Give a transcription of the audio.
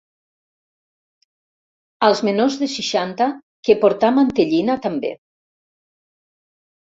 Als menors de seixanta, que “portar mantellina” també.